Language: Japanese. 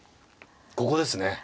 ここですね。